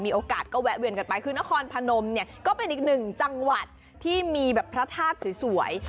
มีโอกาสก็แวะเวียนกันไปคือนครพนมเนี่ยก็เป็นอีกหนึ่งจังหวัดที่มีแบบพระธาตุสวย